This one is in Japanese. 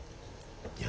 いや。